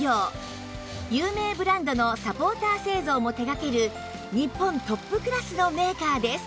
有名ブランドのサポーター製造も手がける日本トップクラスのメーカーです